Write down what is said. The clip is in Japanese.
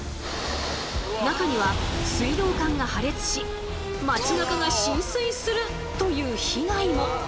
中には水道管が破裂し町なかが浸水するという被害も。